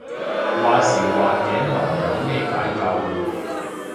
話時話頸紋有咩解救